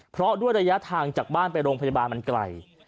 เพราะด้วยระยะทางจากบ้านไปโรงพยาบาลมันไกล